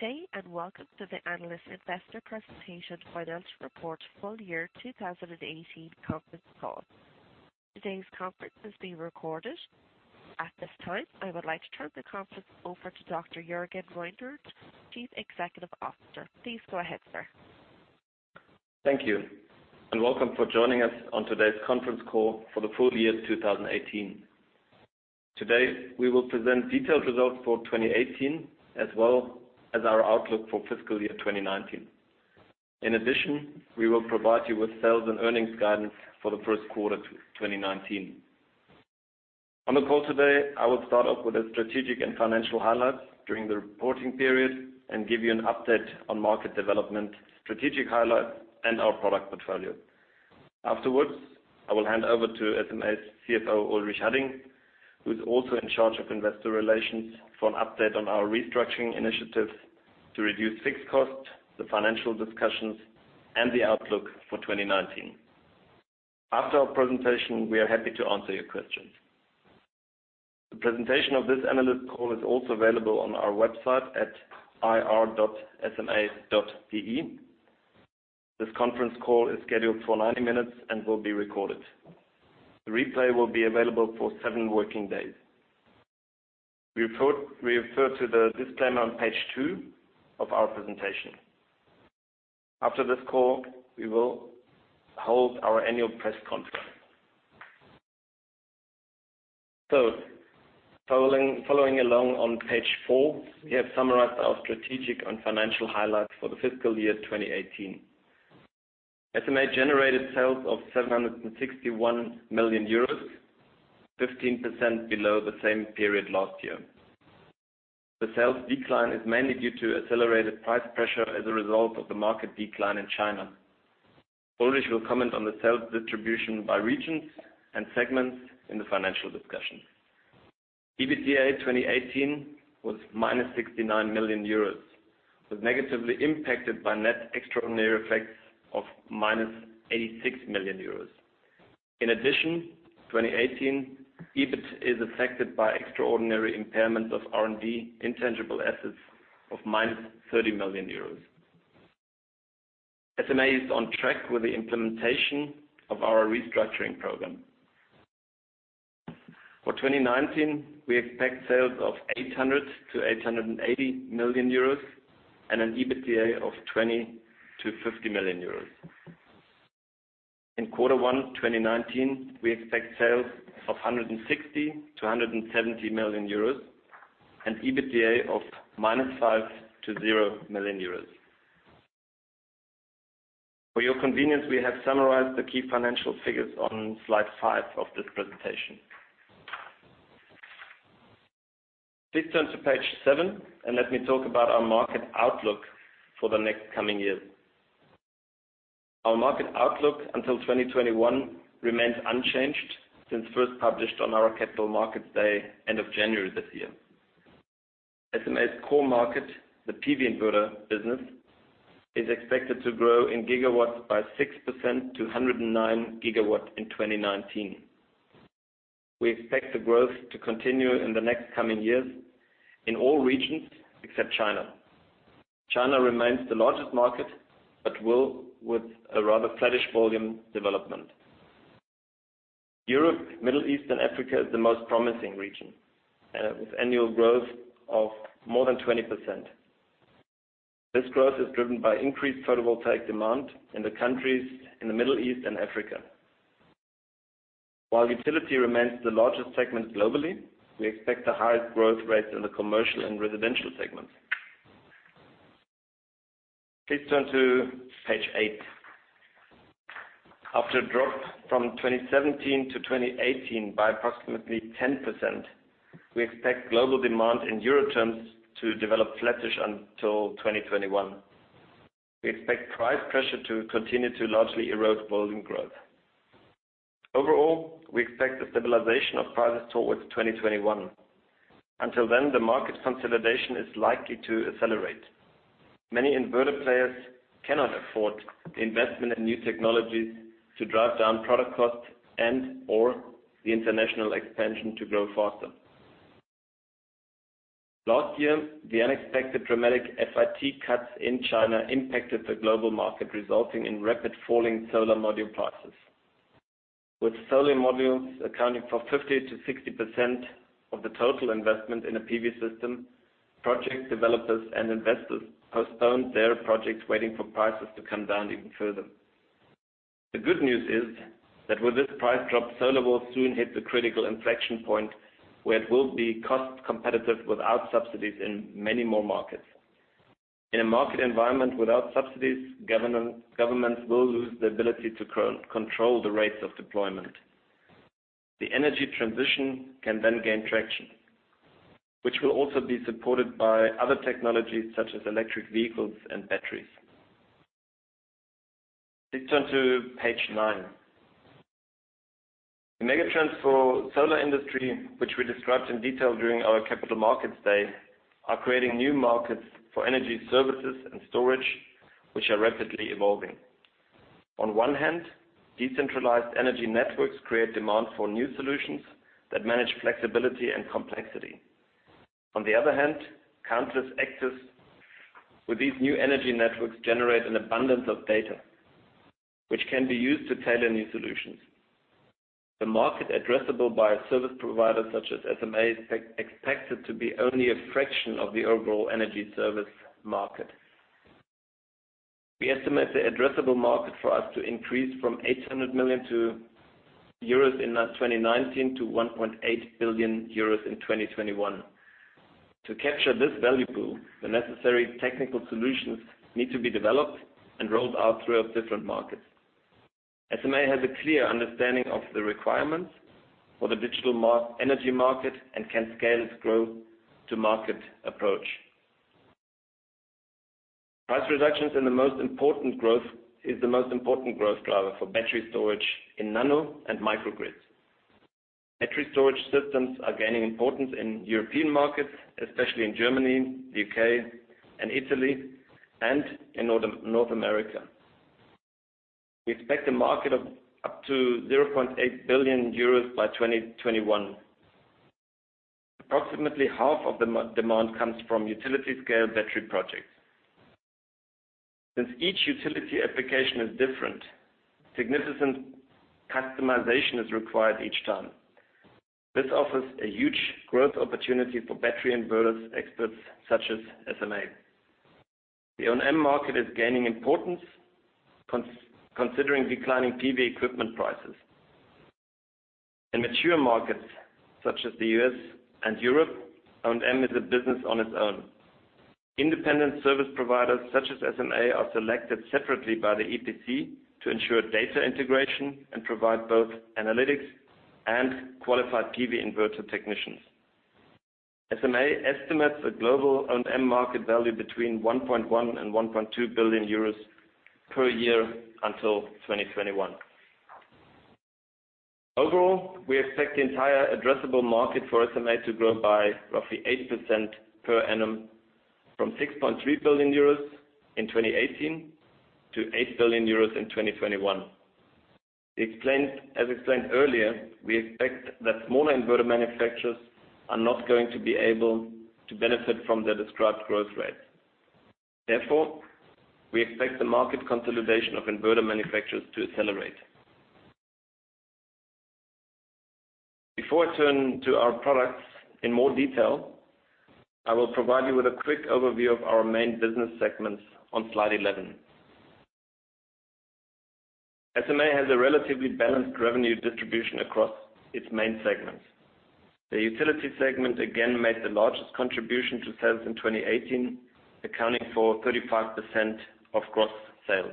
Good day, welcome to the Analyst Investor Presentation Financial Report Full Year 2018 conference call. Today's conference is being recorded. At this time, I would like to turn the conference over to Dr. Jürgen Reinert, Chief Executive Officer. Please go ahead, sir. Thank you, welcome for joining us on today's conference call for the full year 2018. Today, we will present detailed results for 2018, as well as our outlook for fiscal year 2019. In addition, we will provide you with sales and earnings guidance for the first quarter 2019. On the call today, I will start off with the strategic and financial highlights during the reporting period and give you an update on market development, strategic highlights, and our product portfolio. Afterwards, I will hand over to SMA's CFO, Ulrich Hadding, who's also in charge of investor relations for an update on our restructuring initiative to reduce fixed costs, the financial discussions, and the outlook for 2019. After our presentation, we are happy to answer your questions. The presentation of this analyst call is also available on our website at ir.sma.de. This conference call is scheduled for 90 minutes and will be recorded. The replay will be available for seven working days. We refer to the disclaimer on page two of our presentation. After this call, we will hold our annual press conference. Following along on page four, we have summarized our strategic and financial highlights for the fiscal year 2018. SMA generated sales of 761 million euros, 15% below the same period last year. The sales decline is mainly due to accelerated price pressure as a result of the market decline in China. Ulrich will comment on the sales distribution by regions and segments in the financial discussion. EBITDA 2018 was minus 69 million euros, was negatively impacted by net extraordinary effects of minus 86 million euros. In addition, 2018, EBIT is affected by extraordinary impairments of R&D intangible assets of minus 30 million euros. SMA is on track with the implementation of our restructuring program. For 2019, we expect sales of 800 million-880 million euros and an EBITDA of 20 million-50 million euros. In quarter one 2019, we expect sales of 160 million-170 million euros and EBITDA of minus 5 million to 0 million euros. For your convenience, we have summarized the key financial figures on slide five of this presentation. Please turn to page seven and let me talk about our market outlook for the next coming year. Our market outlook until 2021 remains unchanged since first published on our capital markets day end of January this year. SMA's core market, the PV inverter business, is expected to grow in gigawatts by 6% to 109 gigawatts in 2019. We expect the growth to continue in the next coming years in all regions except China. China remains the largest market, but with a rather flattish volume development. Europe, Middle East, and Africa is the most promising region, with annual growth of more than 20%. This growth is driven by increased photovoltaic demand in the countries in the Middle East and Africa. While utility remains the largest segment globally, we expect the highest growth rates in the Commercial and Residential segments. Please turn to page eight. After a drop from 2017 to 2018 by approximately 10%, we expect global demand in euro terms to develop flattish until 2021. We expect price pressure to continue to largely erode volume growth. Overall, we expect a stabilization of prices towards 2021. Until then, the market consolidation is likely to accelerate. Many inverter players cannot afford the investment in new technologies to drive down product costs and/or the international expansion to grow faster. Last year, the unexpected dramatic FIT cuts in China impacted the global market, resulting in rapid falling solar module prices. With solar modules accounting for 50%-60% of the total investment in a PV system, project developers and investors postponed their projects waiting for prices to come down even further. The good news is that with this price drop, solar will soon hit the critical inflection point where it will be cost competitive without subsidies in many more markets. In a market environment without subsidies, governments will lose the ability to control the rates of deployment. The energy transition can then gain traction, which will also be supported by other technologies such as electric vehicles and batteries. Please turn to page nine. The mega trends for solar industry, which we described in detail during our capital markets day, are creating new markets for energy services and storage, which are rapidly evolving. On one hand, decentralized energy networks create demand for new solutions that manage flexibility and complexity. On the other hand, countless access with these new energy networks generate an abundance of data, which can be used to tailor new solutions. The market addressable by a service provider such as SMA is expected to be only a fraction of the overall energy service market. We estimate the addressable market for us to increase from 800 million euros in 2019 to 1.8 billion euros in 2021. To capture this value pool, the necessary technical solutions need to be developed and rolled out throughout different markets. SMA has a clear understanding of the requirements for the digital energy market and can scale its growth to market approach. Price reductions is the most important growth driver for battery storage in nano and microgrids. Battery storage systems are gaining importance in European markets, especially in Germany, the U.K., and Italy, and in North America. We expect the market of up to 0.8 billion euros by 2021. Approximately half of the demand comes from utility scale battery projects. Since each utility application is different, significant customization is required each time. This offers a huge growth opportunity for battery inverters experts such as SMA. The O&M market is gaining importance considering declining PV equipment prices. In mature markets such as the U.S. and Europe, O&M is a business on its own. Independent service providers such as SMA are selected separately by the EPC to ensure data integration and provide both analytics and qualified PV inverter technicians. SMA estimates the global O&M market value between 1.1 billion and 1.2 billion euros per year until 2021. Overall, we expect the entire addressable market for SMA to grow by roughly 8% per annum, from 6.3 billion euros in 2018 to 8 billion euros in 2021. As explained earlier, we expect that smaller inverter manufacturers are not going to be able to benefit from the described growth rate. Therefore, we expect the market consolidation of inverter manufacturers to accelerate. Before I turn to our products in more detail, I will provide you with a quick overview of our main business segments on slide 11. SMA has a relatively balanced revenue distribution across its main segments. The Utility segment again made the largest contribution to sales in 2018, accounting for 35% of gross sales.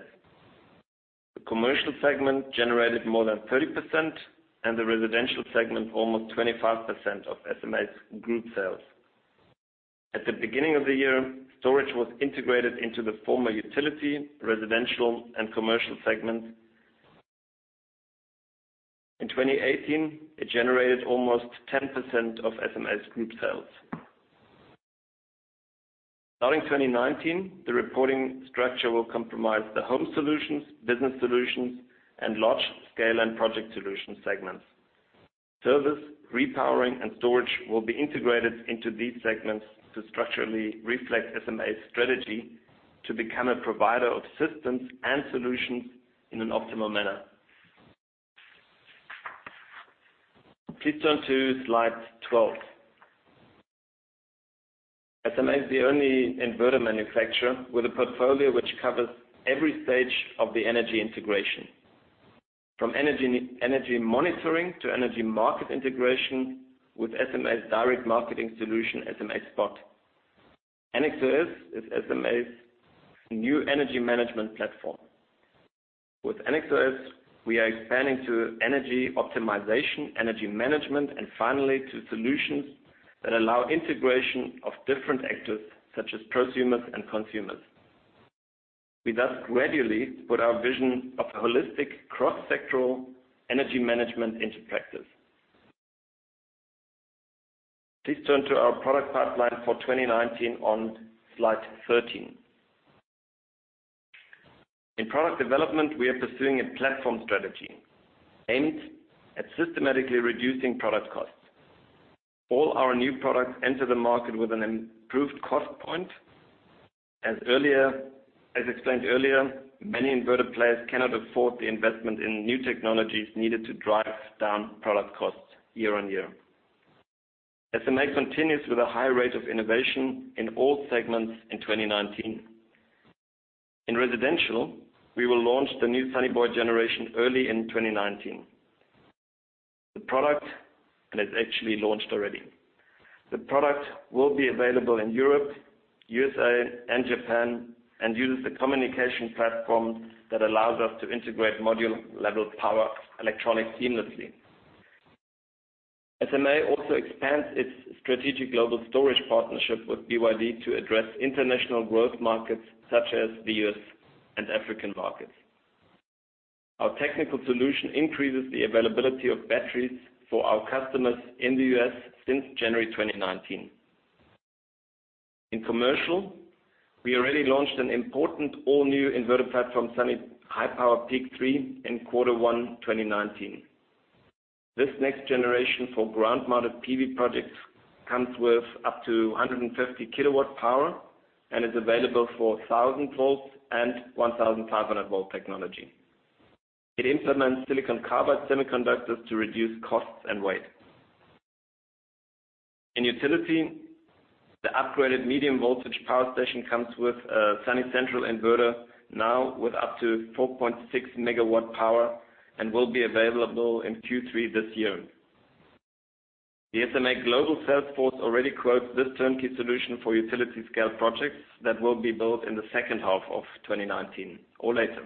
The Commercial segment generated more than 30%, and the Residential segment almost 25% of SMA's group sales. At the beginning of the year, storage was integrated into the former Utility, Residential, and Commercial segments. In 2018, it generated almost 10% of SMA's group sales. Starting 2019, the reporting structure will compromise the Home Solutions, Business Solutions, and Large-Scale and Project Solutions segments. Service, repowering, and storage will be integrated into these segments to structurally reflect SMA's strategy to become a provider of systems and solutions in an optimal manner. Please turn to slide 12. SMA is the only inverter manufacturer with a portfolio which covers every stage of the energy integration, from energy monitoring to energy market integration with SMA's direct marketing solution, SMA SPOT. ennexOS is SMA's new energy management platform. With ennexOS, we are expanding to energy optimization, energy management, and finally to solutions that allow integration of different actors such as prosumers and consumers. We thus gradually put our vision of a holistic cross-sectoral energy management into practice. Please turn to our product pipeline for 2019 on slide 13. In product development, we are pursuing a platform strategy aimed at systematically reducing product costs. All our new products enter the market with an improved cost point. As explained earlier, many inverter players cannot afford the investment in new technologies needed to drive down product costs year-on-year. SMA continues with a high rate of innovation in all segments in 2019. In residential, we will launch the new Sunny Boy generation early in 2019. The product, and it's actually launched already. The product will be available in Europe, U.S., and Japan, and uses a communication platform that allows us to integrate module-level power electronics seamlessly. SMA also expands its strategic global storage partnership with BYD to address international growth markets such as the U.S. and African markets. Our technical solution increases the availability of batteries for our customers in the U.S. since January 2019. In commercial, we already launched an important all new inverter platform, Sunny Highpower PEAK3 in quarter one 2019. This next generation for ground-mounted PV projects comes with up to 150 kilowatt power and is available for 1,000 volts and 1,500 volt technology. It implements silicon carbide semiconductors to reduce costs and weight. In utility, the upgraded Medium Voltage Power Station comes with a Sunny Central inverter now with up to 4.6 megawatt power and will be available in Q3 this year. The SMA global sales force already quotes this turnkey solution for utility scale projects that will be built in the second half of 2019 or later.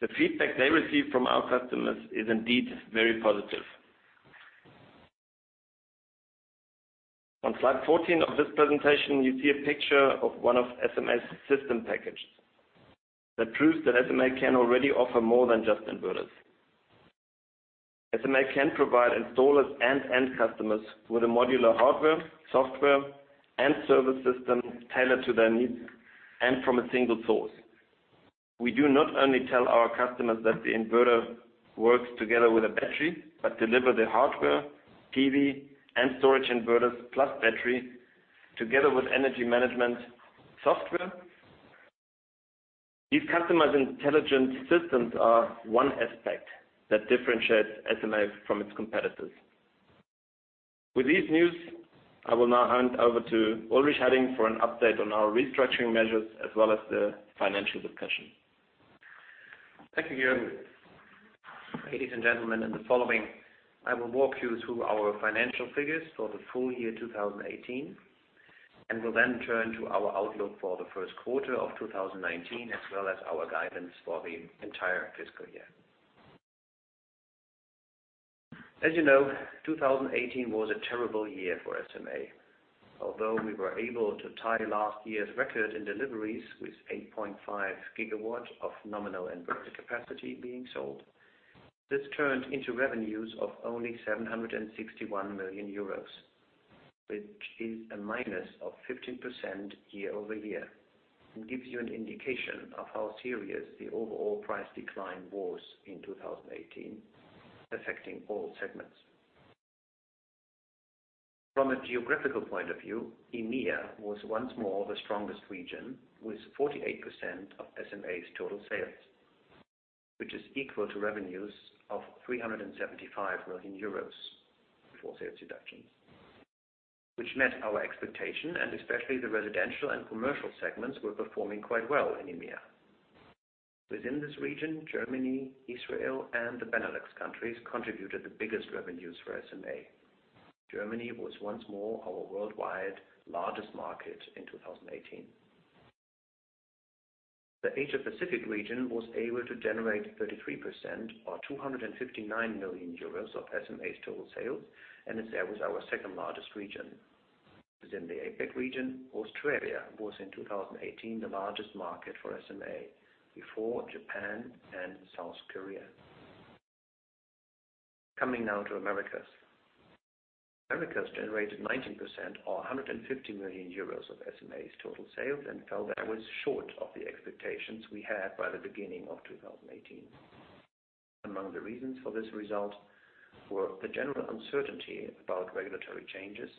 The feedback they receive from our customers is indeed very positive. On slide 14 of this presentation, you see a picture of one of SMA's system packages that proves that SMA can already offer more than just inverters. SMA can provide installers and end customers with a modular hardware, software, and service system tailored to their needs and from a single source. We do not only tell our customers that the inverter works together with a battery, but deliver the hardware, PV, and storage inverters plus battery together with energy management software. These customized intelligence systems are one aspect that differentiates SMA from its competitors. With this news, I will now hand over to Ulrich Hadding for an update on our restructuring measures as well as the financial discussion. Thank you, Jürgen. Ladies and gentlemen, in the following, I will walk you through our financial figures for the full year 2018, and will then turn to our outlook for the first quarter of 2019, as well as our guidance for the entire fiscal year. As you know, 2018 was a terrible year for SMA, although we were able to tie last year's record in deliveries with 8.5 gigawatts of nominal inverter capacity being sold. This turned into revenues of only 761 million euros, which is a minus of 15% year-over-year, and gives you an indication of how serious the overall price decline was in 2018, affecting all segments. From a geographical point of view, EMEA was once more the strongest region with 48% of SMA's total sales, which is equal to revenues of 375 million euros for sales deductions, which met our expectation and especially the residential and commercial segments were performing quite well in EMEA. Within this region, Germany, Israel, and the Benelux countries contributed the biggest revenues for SMA. Germany was once more our worldwide largest market in 2018. The Asia Pacific region was able to generate 33% or 259 million euros of SMA's total sales, and that was our second-largest region. Within the APAC region, Australia was in 2018 the largest market for SMA before Japan and South Korea. Coming now to Americas. Americas generated 19% or 150 million euros of SMA's total sales and fell back short of the expectations we had by the beginning of 2018. Among the reasons for this result were the general uncertainty about regulatory changes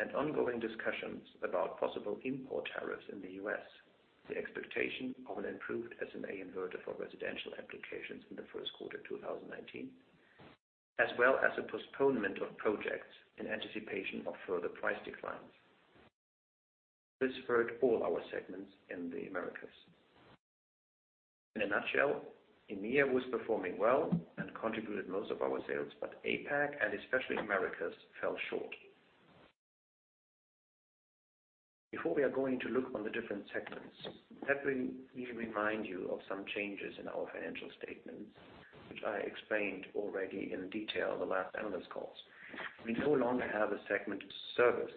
and ongoing discussions about possible import tariffs in the U.S., the expectation of an improved SMA inverter for Residential applications in the first quarter 2019, as well as a postponement of projects in anticipation of further price declines. This hurt all our segments in the Americas. In a nutshell, EMEA was performing well and contributed most of our sales, but APAC and especially Americas fell short. Before we are going to look on the different segments, let me remind you of some changes in our financial statements, which I explained already in detail in the last analyst calls. We no longer have a segment Service,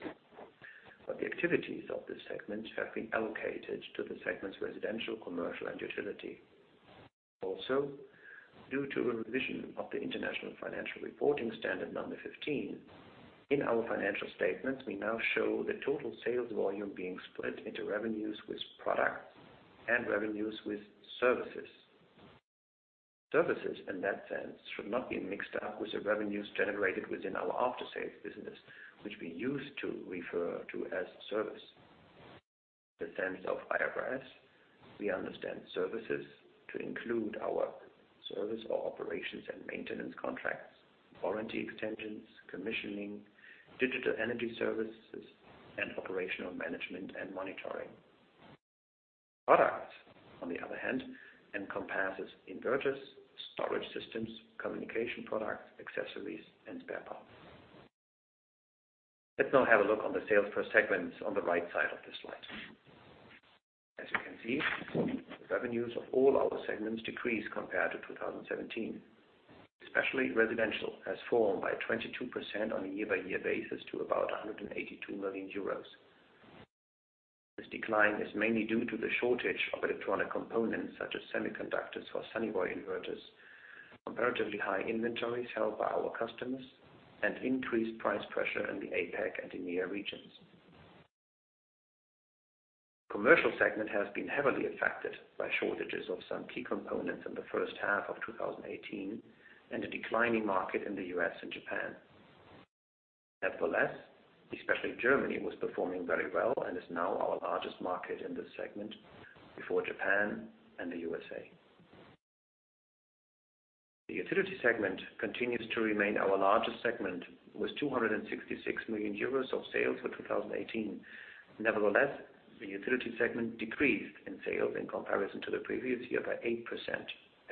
but the activities of this segment have been allocated to the segments Residential, Commercial, and Utility. Also, due to a revision of the International Financial Reporting Standard number 15, in our financial statements, we now show the total sales volume being split into revenues with products and revenues with services. Services in that sense should not be mixed up with the revenues generated within our after-sales business, which we used to refer to as Service. In the sense of IFRS, we understand services to include our service or operations and maintenance contracts, warranty extensions, commissioning, digital energy services, and operational management and monitoring. Products, on the other hand, encompasses inverters, storage systems, communication products, accessories, and spare parts. Let's now have a look on the sales per segments on the right side of the slide. As you can see, the revenues of all our segments decreased compared to 2017, especially Residential has fallen by 22% on a year-by-year basis to about 182 million euros. This decline is mainly due to the shortage of electronic components, such as semiconductors for Sunny Boy inverters, comparatively high inventories held by our customers, and increased price pressure in the APAC and EMEA regions. Commercial segment has been heavily affected by shortages of some key components in the first half of 2018 and a declining market in the U.S. and Japan. Nevertheless, especially Germany was performing very well and is now our largest market in this segment before Japan and the U.S. The Utility segment continues to remain our largest segment, with 266 million euros of sales for 2018. Nevertheless, the Utility segment decreased in sales in comparison to the previous year by 8%,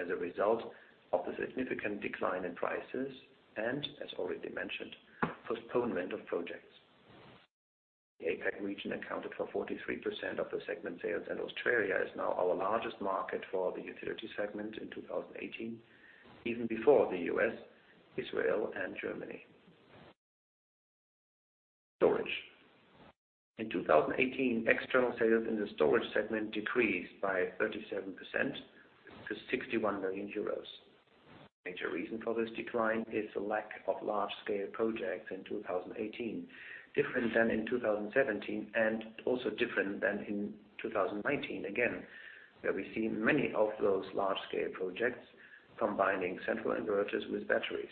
as a result of the significant decline in prices and, as already mentioned, postponement of projects. The APAC region accounted for 43% of the segment sales, and Australia is now our largest market for the Utility segment in 2018, even before the U.S., Israel, and Germany. Storage. In 2018, external sales in the Storage segment decreased by 37% to 61 million euros. Major reason for this decline is the lack of large-scale projects in 2018, different than in 2017 and also different than in 2019, again, where we see many of those large-scale projects combining central inverters with batteries.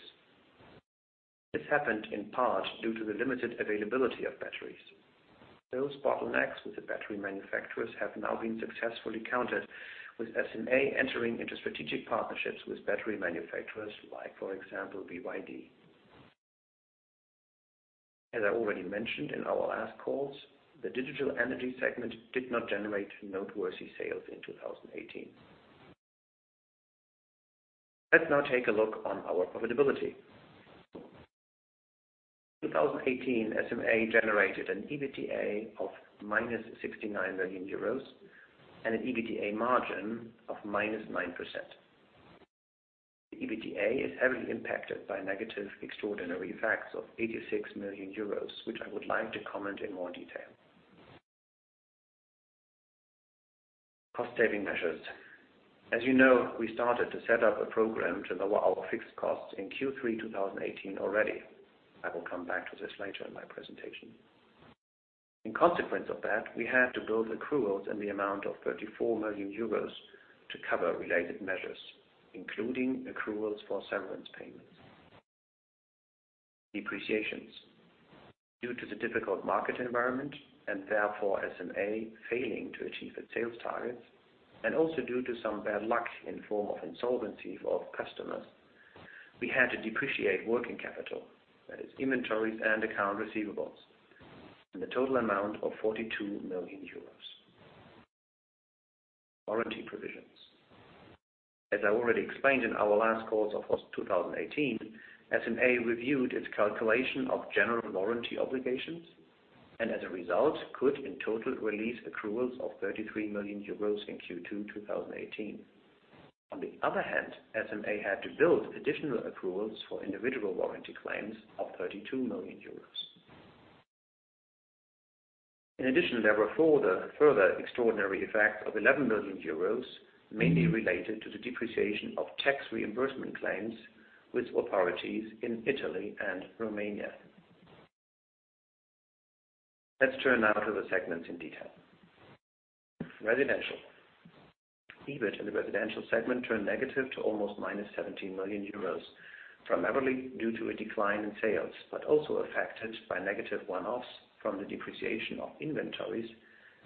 This happened in part due to the limited availability of batteries. Those bottlenecks with the battery manufacturers have now been successfully countered with SMA entering into strategic partnerships with battery manufacturers like, for example, BYD. As I already mentioned in our last calls, the digital energy segment did not generate noteworthy sales in 2018. Let's now take a look on our profitability. In 2018, SMA generated an EBITDA of -69 million euros and an EBITDA margin of -9%. The EBITDA is heavily impacted by negative extraordinary effects of 86 million euros, which I would like to comment in more detail. Cost-saving measures. As you know, we started to set up a program to lower our fixed costs in Q3 2018 already. I will come back to this later in my presentation. In consequence of that, we had to build accruals in the amount of 34 million euros to cover related measures, including accruals for severance payments. Depreciations. Due to the difficult market environment and therefore SMA failing to achieve its sales targets, and also due to some bad luck in form of insolvency for customers, we had to depreciate working capital, that is inventories and account receivables, in the total amount of 42 million euros. Warranty provisions. As I already explained in our last calls of 2018, SMA reviewed its calculation of general warranty obligations and, as a result, could in total release accruals of 33 million euros in Q2 2018. On the other hand, SMA had to build additional accruals for individual warranty claims of 32 million euros. In addition, there were further extraordinary effects of 11 million euros, mainly related to the depreciation of tax reimbursement claims with authorities in Italy and Romania. Let's turn now to the segments in detail. Residential. EBIT in the residential segment turned negative to almost -17 million euros, primarily due to a decline in sales, but also affected by negative one-offs from the depreciation of inventories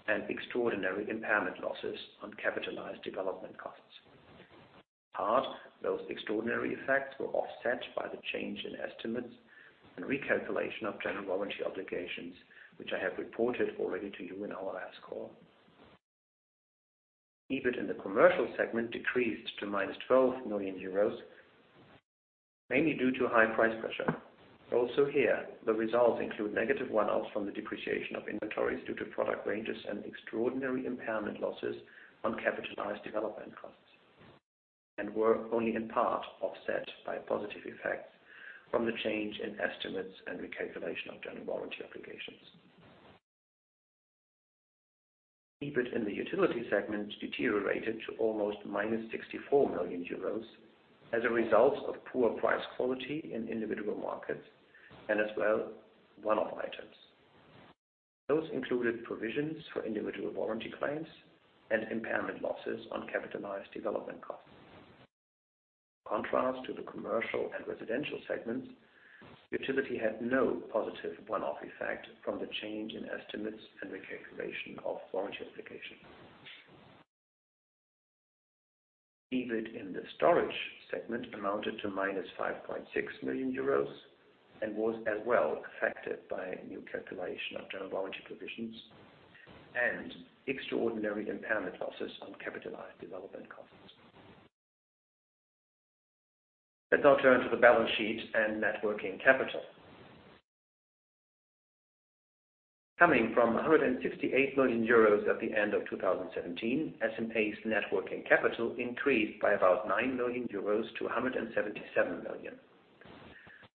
and extraordinary impairment losses on capitalized development costs. In part, those extraordinary effects were offset by the change in estimates and recalculation of general warranty obligations, which I have reported already to you in our last call. EBIT in the commercial segment decreased to -12 million euros, mainly due to high price pressure. Also here, the results include negative one-offs from the depreciation of inventories due to product ranges and extraordinary impairment losses on capitalized development costs and were only in part offset by positive effects from the change in estimates and recalculation of general warranty obligations. EBIT in the utility segment deteriorated to almost -64 million euros as a result of poor price quality in individual markets and as well one-off items. Those included provisions for individual warranty claims and impairment losses on capitalized development costs. In contrast to the commercial and residential segments, utility had no positive one-off effect from the change in estimates and recalculation of warranty obligations. EBIT in the storage segment amounted to -5.6 million euros and was as well affected by a new calculation of general warranty provisions and extraordinary impairment losses on capitalized development costs. Let's now turn to the balance sheet and net working capital. Coming from 168 million euros at the end of 2017, SMA's net working capital increased by about 9 million euros to 177 million.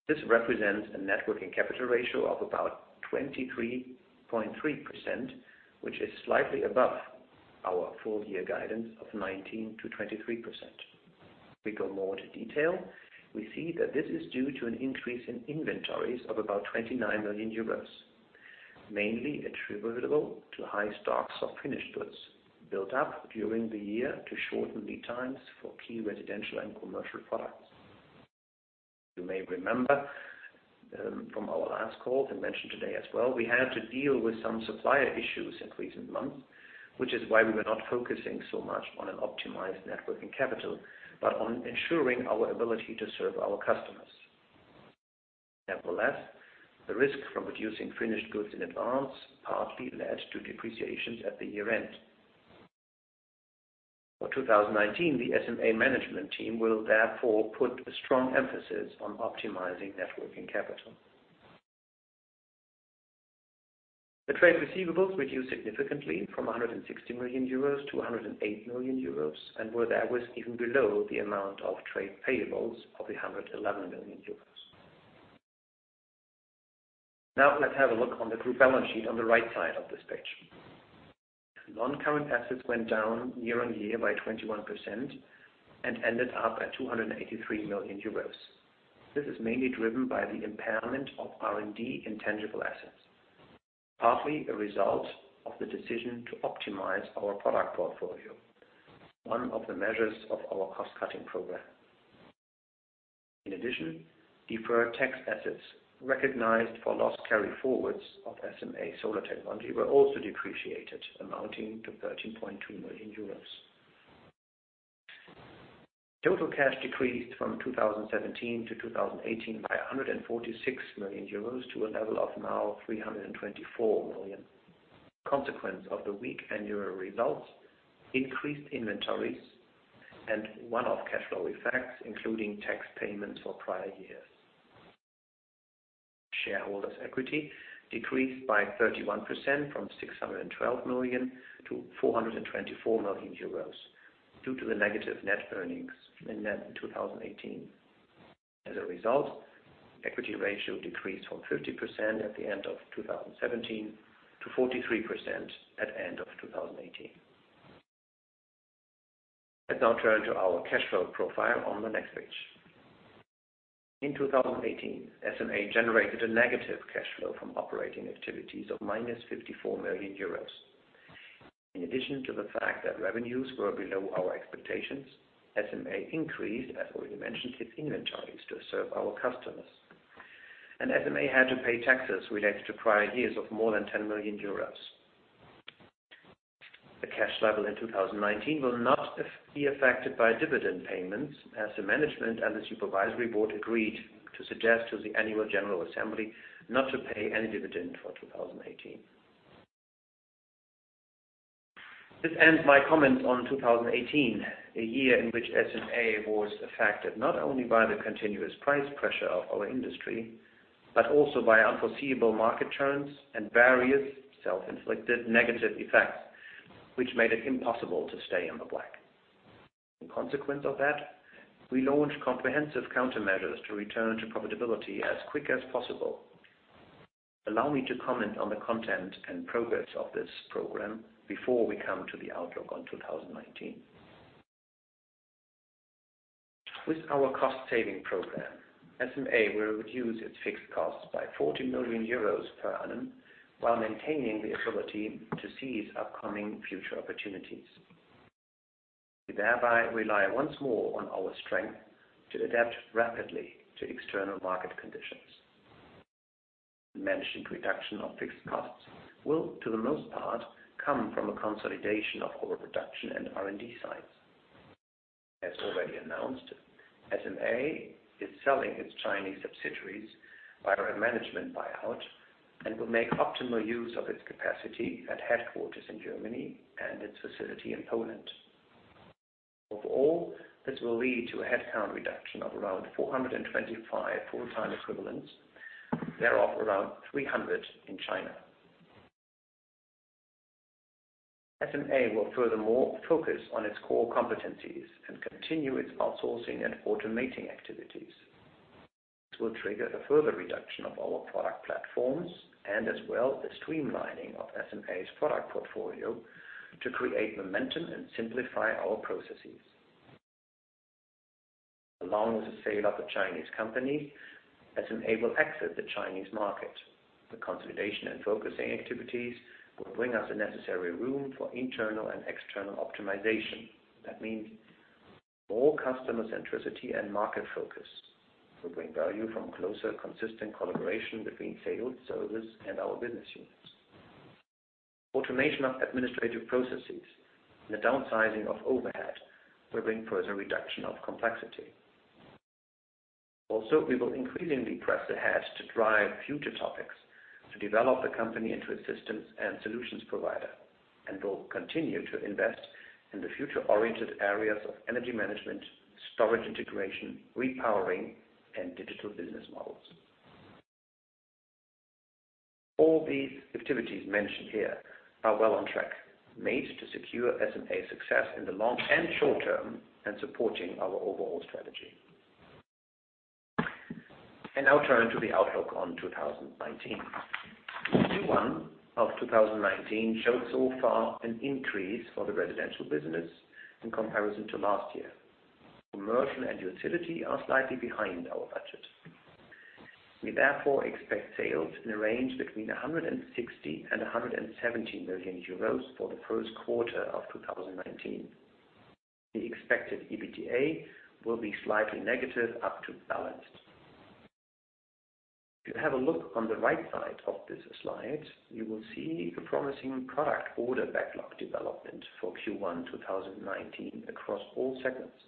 This represents a net working capital ratio of about 23.3%, which is slightly above our full year guidance of 19%-23%. If we go more into detail, we see that this is due to an increase in inventories of about 29 million euros, mainly attributable to high stocks of finished goods built up during the year to shorten lead times for key residential and commercial products. You may remember from our last call and mentioned today as well, we had to deal with some supplier issues in recent months, which is why we were not focusing so much on an optimized net working capital, but on ensuring our ability to serve our customers. Nevertheless, the risk from producing finished goods in advance partly led to depreciations at the year-end. For 2019, the SMA management team will therefore put a strong emphasis on optimizing net working capital. The trade receivables reduced significantly from 160 million euros to 108 million euros and were thus even below the amount of trade payables of the 111 million euros. Let's have a look on the group balance sheet on the right side of this page. Non-current assets went down year-over-year by 21% and ended up at 283 million euros. This is mainly driven by the impairment of R&D intangible assets, partly a result of the decision to optimize our product portfolio, one of the measures of our cost-cutting program. In addition, deferred tax assets recognized for loss carryforwards of SMA Solar Technology were also depreciated, amounting to 13.2 million euros. Total cash decreased from 2017 to 2018 by 146 million euros to a level of now 324 million. Consequence of the weak annual results, increased inventories and one-off cash flow effects, including tax payments for prior years. Shareholders' equity decreased by 31% from 612 million to 424 million euros due to the negative net earnings in 2018. As a result, equity ratio decreased from 50% at the end of 2017 to 43% at end of 2018. Let's now turn to our cash flow profile on the next page. In 2018, SMA generated a negative cash flow from operating activities of minus 54 million euros. In addition to the fact that revenues were below our expectations, SMA increased, as already mentioned, its inventories to serve our customers. SMA had to pay taxes related to prior years of more than 10 million euros. The cash level in 2019 will not be affected by dividend payments as the management and the supervisory board agreed to suggest to the annual general assembly not to pay any dividend for 2018. This ends my comment on 2018, a year in which SMA was affected not only by the continuous price pressure of our industry, but also by unforeseeable market trends and various self-inflicted negative effects, which made it impossible to stay in the black. In consequence of that, we launched comprehensive countermeasures to return to profitability as quick as possible. Allow me to comment on the content and progress of this program before we come to the outlook on 2019. With our cost-saving program, SMA will reduce its fixed costs by 40 million euros per annum while maintaining the ability to seize upcoming future opportunities. We thereby rely once more on our strength to adapt rapidly to external market conditions. Managed reduction of fixed costs will, to the most part, come from a consolidation of our production and R&D sites. As already announced, SMA is selling its Chinese subsidiaries via a management buyout and will make optimal use of its capacity at headquarters in Germany and its facility in Poland. This will lead to a headcount reduction of around 425 full-time equivalents, thereof around 300 in China. SMA will furthermore focus on its core competencies and continue its outsourcing and automating activities. This will trigger the further reduction of our product platforms and as well the streamlining of SMA's product portfolio to create momentum and simplify our processes. Along with the sale of the Chinese company, SMA will exit the Chinese market. The consolidation and focusing activities will bring us the necessary room for internal and external optimization. That means more customer centricity and market focus to bring value from closer, consistent collaboration between sales, service, and our business units. Automation of administrative processes and the downsizing of overhead will bring further reduction of complexity. Also, we will increasingly press ahead to drive future topics to develop the company into a systems and solutions provider and will continue to invest in the future-oriented areas of energy management, storage integration, repowering, and digital business models. All these activities mentioned here are well on track, made to secure SMA success in the long and short term and supporting our overall strategy. Now turning to the outlook on 2019. Q1 of 2019 showed so far an increase for the residential business in comparison to last year. Commercial and utility are slightly behind our budget. We therefore expect sales in a range between 160 million and 170 million euros for the first quarter of 2019. The expected EBITDA will be slightly negative up to balanced. If you have a look on the right side of this slide, you will see a promising product order backlog development for Q1 2019 across all segments.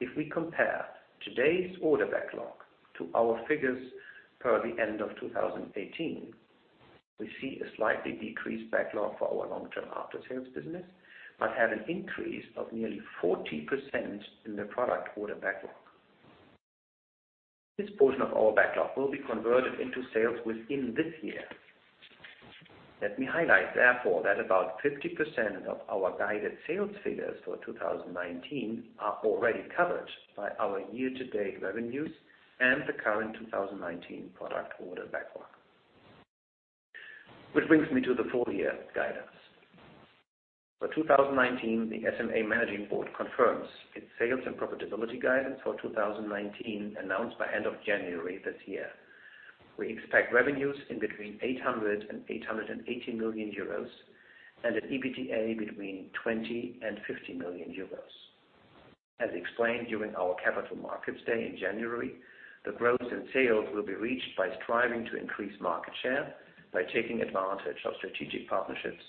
If we compare today's order backlog to our figures per the end of 2018, we see a slightly decreased backlog for our long-term after-sales business, but have an increase of nearly 40% in the product order backlog. This portion of our backlog will be converted into sales within this year. Let me highlight therefore that about 50% of our guided sales figures for 2019 are already covered by our year-to-date revenues and the current 2019 product order backlog. Which brings me to the full year guidance. For 2019, the SMA Managing Board confirms its sales and profitability guidance for 2019 announced by end of January this year. We expect revenues in between 800 million euros and 880 million euros and an EBITDA between 20 million and 50 million euros. As explained during our capital markets day in January, the growth in sales will be reached by striving to increase market share by taking advantage of strategic partnerships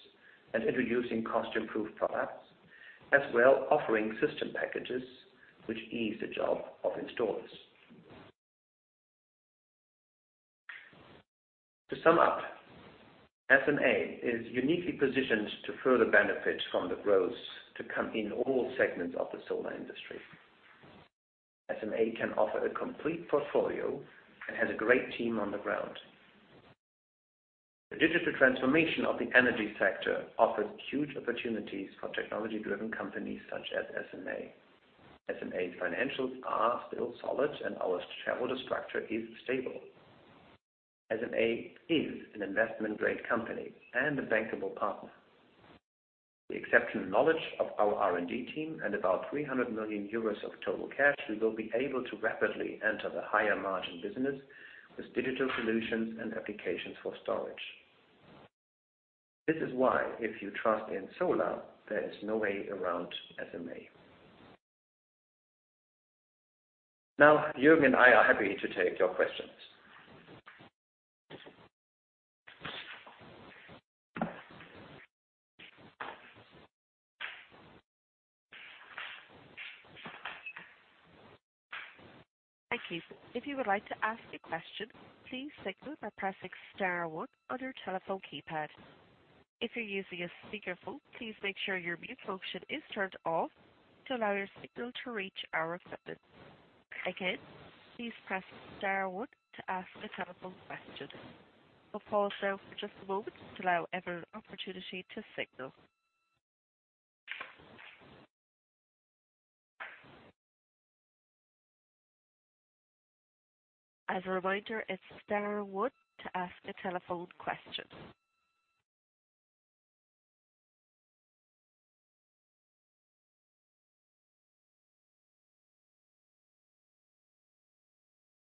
and introducing cost-improved products, as well offering system packages which ease the job of installers. To sum up, SMA is uniquely positioned to further benefit from the growth to come in all segments of the solar industry. SMA can offer a complete portfolio and has a great team on the ground. The digital transformation of the energy sector offers huge opportunities for technology-driven companies such as SMA. SMA's financials are still solid and our shareholder structure is stable. SMA is an investment-grade company and a bankable partner. The exceptional knowledge of our R&D team and about 300 million euros of total cash, we will be able to rapidly enter the higher margin business with digital solutions and applications for storage. This is why if you trust in solar, there is no way around SMA. Now, Jürgen and I are happy to take your questions. Thank you. If you would like to ask a question, please signal by pressing star one on your telephone keypad. If you're using a speakerphone, please make sure your mute function is turned off to allow your signal to reach our equipment. Again, please press star one to ask a telephone question. We'll pause now for just a moment to allow every opportunity to signal. As a reminder, it's star one to ask a telephone question.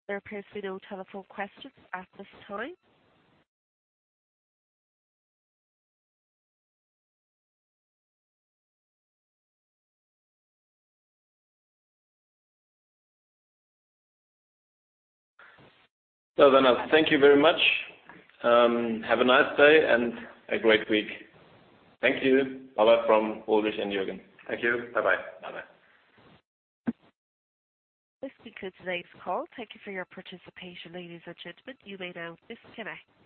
There appears to be no telephone questions at this time. Thank you very much. Have a nice day and a great week. Thank you. Bye-bye from Ulrich and Jürgen. Thank you. Bye-bye. Bye-bye. This concludes today's call. Thank you for your participation, ladies and gentlemen. You may now disconnect.